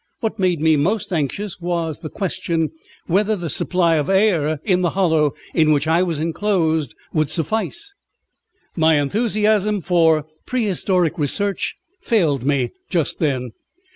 What made me most anxious was the question whether the supply of air in the hollow in which I was enclosed would suffice. My enthusiasm for prehistoric research failed me just then.